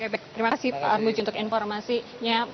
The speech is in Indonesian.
terima kasih pak armudji untuk informasinya